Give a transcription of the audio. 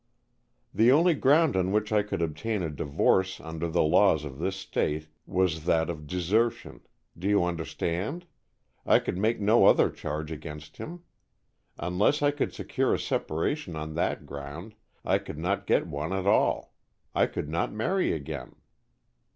"The only ground on which I could obtain a divorce under the laws of this state was that of desertion. Do you understand? I could make no other charge against him. Unless I could secure a separation on that ground, I could not get one at all. I could not marry again."